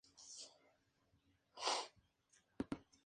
Fue el primer rey polaco con título hereditario.